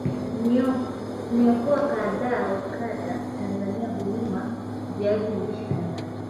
Mikoa kadha wa kdha Tanzania hulima Viazi lishe TAnzania